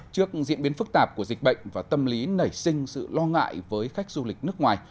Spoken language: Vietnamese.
trước diễn biến phức tạp của dịch bệnh và tâm lý nảy sinh sự lo ngại với khách du lịch nước ngoài